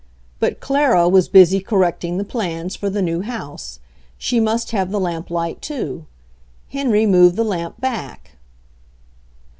But Clara was busy correcting the plans for the new house; she must have the lamp light, too. Henry moved the lamp back.